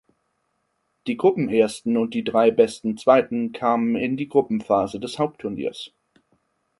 Die Gruppenersten und die drei besten Zweiten kamen in die Gruppenphase des Hauptturniers.